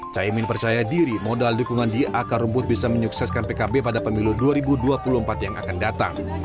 caimin percaya diri modal dukungan di akar rumput bisa menyukseskan pkb pada pemilu dua ribu dua puluh empat yang akan datang